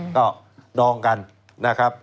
ก็ดองกันนะครับ